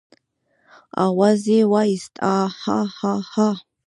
آواز يې واېست عاعاعا.